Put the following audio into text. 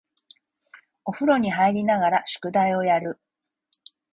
お風呂に入りながら宿題をやる